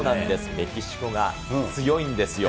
メキシコが強いんですよ。